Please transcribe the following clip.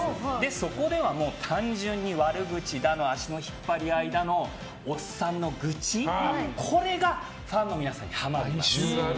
そこでは、単純に悪口だの足の引っ張り合いだのおっさんの愚痴これがファンの皆さんにハマっています。